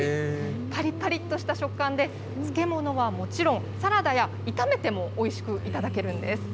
ぱりぱりとした食感で、漬物はもちろん、サラダや、炒めてもおいしく頂けるんです。